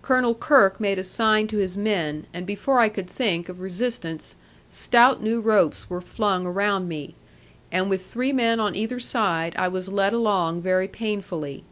Colonel Kirke made a sign to his men, and before I could think of resistance, stout new ropes were flung around me; and with three men on either side I was led along very painfully.